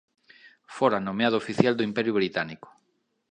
Fora nomeado oficial do Imperio Británico.